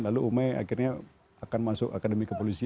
lalu umai akhirnya akan masuk akademi kepolisian